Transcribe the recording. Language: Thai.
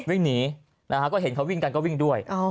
วิ่งหนีนะฮะก็เห็นเขาวิ่งกันก็วิ่งด้วย